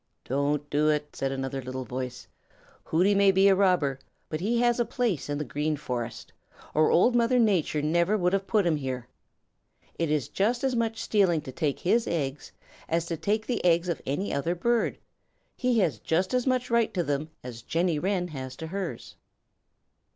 "Don't do it," said another little voice. "Hooty may be a robber, but he has a place in the Green Forest, or Old Mother Nature never would have put him here. It is just as much stealing to take his eggs as to take the eggs of any other bird. He has just as much right to them as Jenny Wren has to hers."